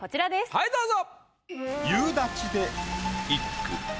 はいどうぞ。